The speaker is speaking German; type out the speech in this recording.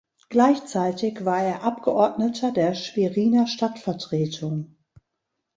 Gleichzeitig war er Abgeordneter der Schweriner Stadtvertretung.